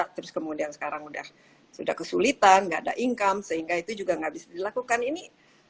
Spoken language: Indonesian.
terus kemudian sekarang sudah kesulitan nggak ada income sehingga itu juga nggak bisa dilakukan ini